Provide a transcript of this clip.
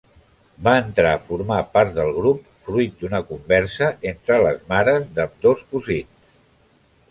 Va entrar a formar part del grup fruit d'una conversa entre les mares d'ambdós cosins.